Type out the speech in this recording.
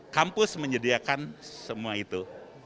kampus menyediakan semua itu